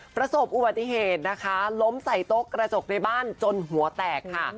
ประสบอุบัติเหตุนะคะล้มใส่โต๊ะกระจกในบ้านจนหัวแตกค่ะ